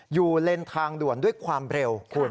อยู่เล่นทางด่วนด้วยความเร็ว